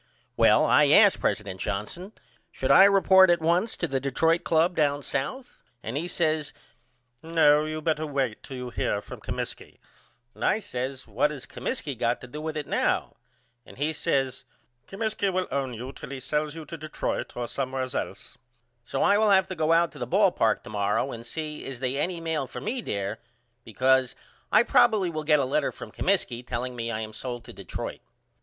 Well I asked president Johnson should I report at once to the Detroit Club down south and he says No you better wait till you hear from Comiskey and I says What has Comiskey got to do with it now? And he says Comiskey will own you till he sells you to Detroit or somewheres else. So I will have to go out to the ball park to morrow and see is they any mail for me there because I probily will get a letter from Comiskey telling me I am sold to Detroit.